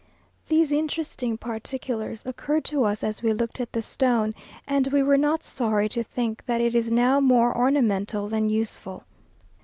These interesting particulars occurred to us as we looked at the stone, and we were not sorry to think that it is now more ornamental than useful.